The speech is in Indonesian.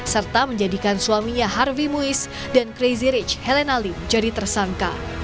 serta menjadikan suaminya harvi muiz dan crazy rich helenali jadi tersangka